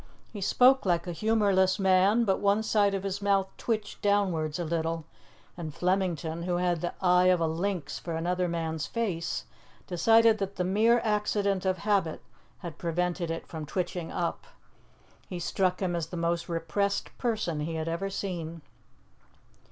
He spoke like a humourless man, but one side of his mouth twitched downwards a little, and Flemington, who had the eye of a lynx for another man's face, decided that the mere accident of habit had prevented it from twitching up. He struck him as the most repressed person he had ever seen.